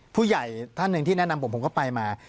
ผู้ใหญ่ท่านหนึ่งที่แนะนำผมผมก็ไปมา